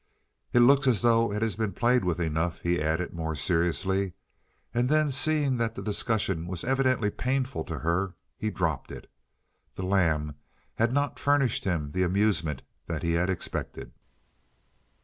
"It looks as though it has been played with enough," he added more seriously, and then seeing that the discussion was evidently painful to her, he dropped it. The lamb had not furnished him the amusement that he had expected.